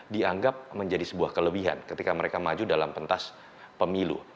dianggap menjadi sebuah kelebihan ketika mereka maju dalam pentas pemilu